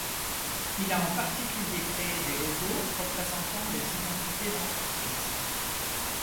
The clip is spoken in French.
Il a en particulier créé des logos représentant des identités d'entreprises.